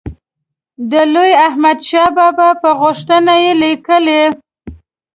د لوی احمدشاه بابا په غوښتنه یې لیکلی.